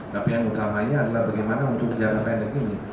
tapi yang utamanya adalah bagaimana untuk jangka pendek ini